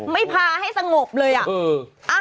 ไม่พาให้สงบเลยอ่ะ